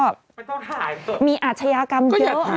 ไม่ต้องถ่ายมีอาชญากรรมเยอะ